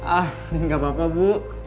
ah ini gak apa apa bu